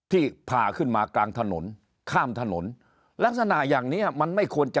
ที่ผ่าขึ้นมากลางถนน